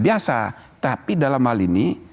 biasa tapi dalam hal ini